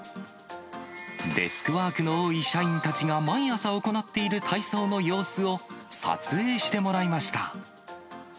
デスクワークの多い社員たちが、毎朝行っている体操の様子を撮影してもらいました。